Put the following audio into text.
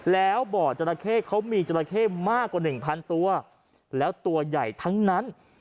แล้วบ่อจราเข้มีมากกว่า๑๐๐๐ตัวและตัวใหญ่ทั้งนั้น